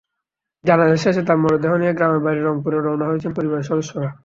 জানাজা শেষে তাঁর মরদেহ নিয়ে গ্রামের বাড়ি রংপুরে রওনা হয়েছেন পরিবারের সদস্যরা।